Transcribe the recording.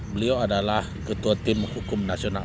beliau adalah ketua tim hukum nasional